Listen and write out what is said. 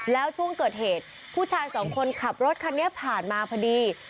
แล้วช่วงเกิดเหตุผู้ชายสองคนขับรถคันนี้ผ่านมาพอดี